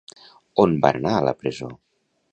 On va anar a la presó?